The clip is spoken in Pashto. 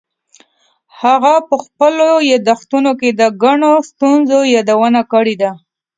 هغه په خپلو یادښتونو کې د ګڼو ستونزو یادونه کړې ده.